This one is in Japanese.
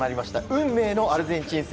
運命のアルゼンチン戦。